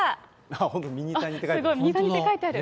本当、ミニタニって書いてある。